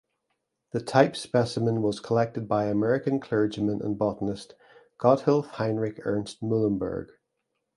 The type specimen was collected by American clergyman and botanist Gotthilf Heinrich Ernst Muhlenberg.